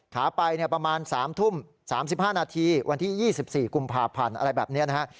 ขาไปประมาณ๓ทุ่ม๓๕นาทีวันที่๒๔กุมภาพันธ์อะไรแบบนี้นะฮะ